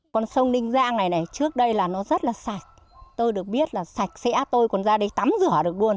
con sông ninh giang này này trước đây là nó rất là sạch tôi được biết là sạch sẽ tôi còn ra đây tắm rửa được luôn